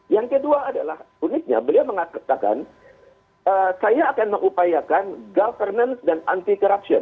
yang kedua adalah uniknya beliau mengatakan saya akan mengupayakan governance dan anti corruption